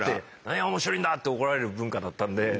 何が面白いんだって怒られる文化だったんで。